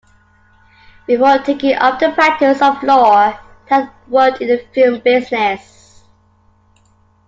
Before taking up the practice of law he had worked in the film business.